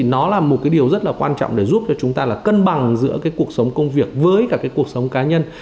nó là một điều rất quan trọng để giúp cho chúng ta cân bằng giữa cuộc sống công việc với cả cuộc sống cá nhân